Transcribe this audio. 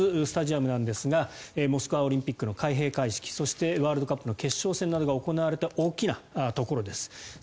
スタジアムなんですがモスクワオリンピックの開閉会式そしてワールドカップの決勝戦などが行われた大きなところです。